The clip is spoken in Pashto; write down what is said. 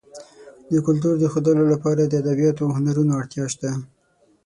د کلتور د ښودلو لپاره د ادبیاتو او هنرونو اړتیا شته.